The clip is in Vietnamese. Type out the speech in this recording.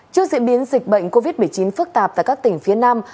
trước diễn biến dịch bệnh covid một mươi chín phức tạp tại các tỉnh phía nam